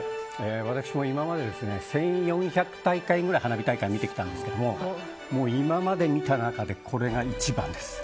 私も今まで１４００大会ぐらい花火大会見てきたんですけど今まで見た中でこれが一番です。